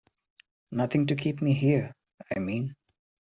Nothing to keep me here, I mean.